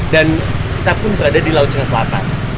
dan kita pun berada di laut cina selatan